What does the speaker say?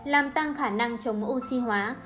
làm tăng khả năng chống oxy hóa